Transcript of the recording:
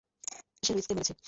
সে লুইসকে মেরেছে!